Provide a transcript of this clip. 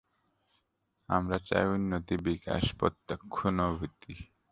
আমরা চাই উন্নতি, বিকাশ, প্রত্যক্ষানুভূতি।